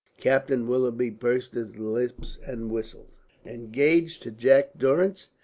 Captain Willoughby pursed up his lips and whistled. "Engaged to Jack Durrance!"